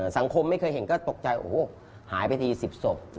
สังคมไม่เคยเห็นก็ตกใจโอ้โหหายไปที๑๐ศพ